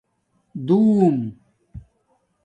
دُݸم